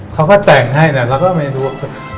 เขาก็แต่งให้เนี่ยแล้วก็ไม่รู้ว่า